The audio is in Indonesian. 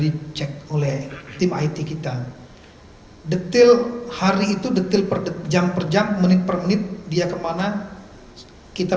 dicek oleh tim it kita detail hari itu detail per jam per jam menit per menit dia kemana kita